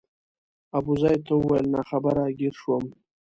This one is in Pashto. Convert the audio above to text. ابوزید ته وویل ناخبره ګیر شوم.